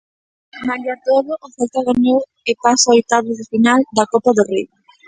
Malia todo, o Celta gañou e pasa oitavos de final da Copa do Rei.